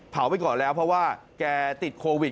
ไปก่อนแล้วเพราะว่าแกติดโควิด